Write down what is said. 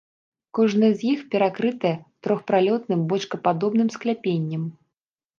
Кожная з іх перакрытая трохпралётным бочкападобным скляпеннем.